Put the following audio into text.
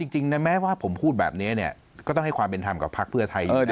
จริงแม้ว่าผมพูดแบบนี้เนี่ยก็ต้องให้ความเป็นทามกับภพไทย